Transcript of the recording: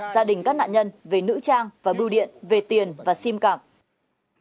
gia đình các nạn nhân về nữ trang và biêu điện về tiền và sim card